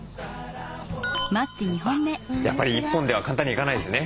やっぱり１本では簡単にはいかないですね。